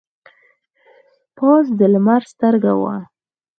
پاس د لمر سترګه وه.